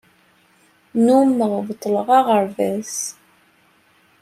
Nnummeɣ beṭṭleɣ aɣerbaz.